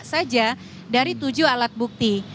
saja dari tujuh alat bukti